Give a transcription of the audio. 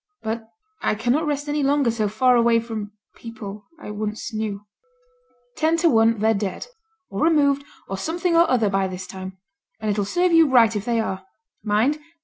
But I cannot rest any longer so far away from people I once knew.' 'Ten to one they're dead, or removed, or something or other by this time; and it'll serve you right if they are. Mind!